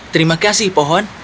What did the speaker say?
terima kasih pohon